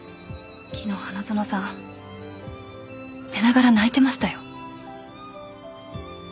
昨日花園さん寝ながら泣いてましたよ。